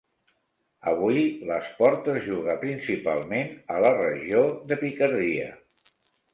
Avui, l'esport es juga principalment a la regió de Picardia.